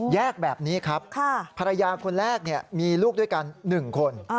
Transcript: แยกแบบนี้ครับภรรยาคนแรกมีลูกด้วยกัน๑คน